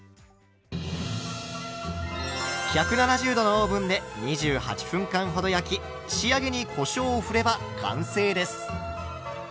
１７０℃のオーブンで２８分間ほど焼き仕上げにこしょうをふれば完成です。